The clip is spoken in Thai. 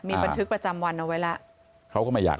มีบันทึกประจำวันเอาไว้แล้วเขาก็ไม่อยาก